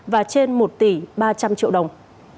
và trên một tỷ ba trăm linh triệu đồng